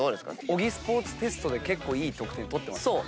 小木スポーツテストで結構いい得点取ってますからね。